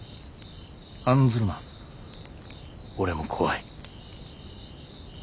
案ずるな俺も怖い。